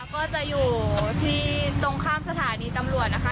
ก็จะอยู่ที่ตรงข้ามสถานีตำรวจนะคะ